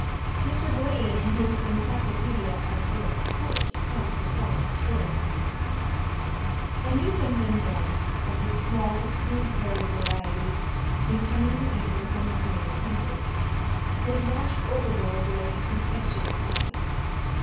Mr. Blaine, in his "Encyclopædia of Rural Sports," tells the following story: A Newfoundland dog, of the small, smooth haired variety, in coming to England from his native country, was washed overboard during a tempestuous night.